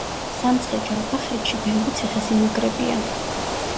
სამცხე-ჯაბახეთში ბევრი ციხე-სიმაგრებია